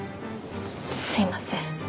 すいません。